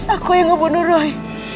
aku yang ngebunuh roy